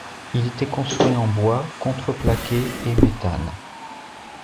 Il était construit en bois, contreplaqué, et métal.